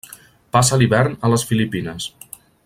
Passa l'hivern a les Filipines.